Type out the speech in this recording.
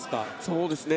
そうですね。